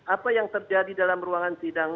apa yang terjadi dalam ruangan sidang